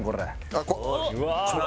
あっ怖っ！